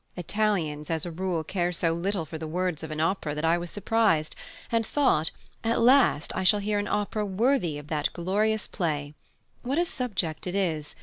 Italians as a rule care so little for the words of an opera that I was surprised, and thought at last I shall hear an opera worthy of that glorious play. What a subject it is!